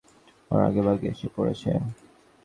ওরা আগেভাগে এসে পড়েছে।